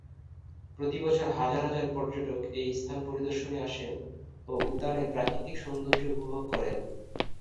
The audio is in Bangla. প্রতি বছর হাজার হাজার পর্যটক এ স্থান পরিদর্শনে আসেন ও উদ্যানের প্রাকৃতিক সৌন্দর্য উপভোগ করেন।